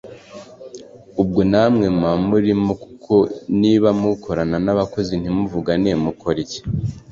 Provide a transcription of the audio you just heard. ubwo namwe muba murimo kuko niba mukorana n’abakozi ntimuvugane mukora iki